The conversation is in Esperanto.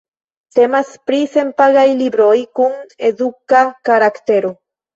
Temas pri senpagaj libroj kun eduka karaktero.